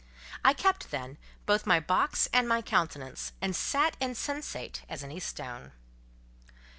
I kept, then, both my box and my countenance, and sat insensate as any stone.